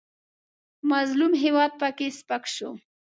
مظلوم هېواد پکې سپک شو.